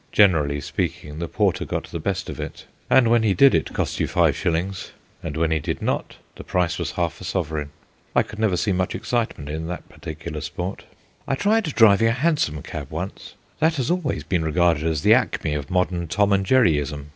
Generally speaking, the porter got the best of it; and when he did it cost you five shillings, and when he did not the price was half a sovereign. I could never see much excitement in that particular sport. I tried driving a hansom cab once. That has always been regarded as the acme of modern Tom and Jerryism.